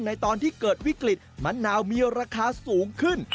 ตอนที่เกิดวิกฤตมะนาวมีราคาสูงขึ้น